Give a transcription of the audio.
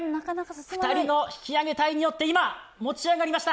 ２人の引き上げ隊によって今、持ち上げました。